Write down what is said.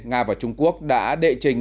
nga và trung quốc đã đệ trình